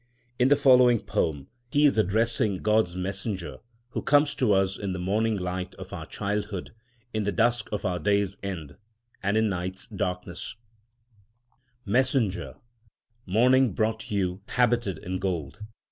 In the following poem he is addressing God's messenger, who comes to us in the morning light of our childhood, in the dusk of our day's end, and in the night's darkness: Messenger, morning brought you, habited in gold.